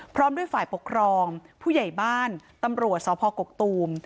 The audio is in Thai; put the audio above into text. พร้อมด้วยฝ่ายปกครองผู้ใหญ่บ้านตำรวจสพกกตูม